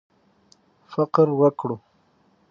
فقر ورک کړو.